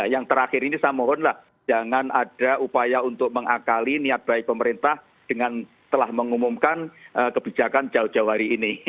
yang terakhir ini saya mohonlah jangan ada upaya untuk mengakali niat baik pemerintah dengan telah mengumumkan kebijakan jauh jauh hari ini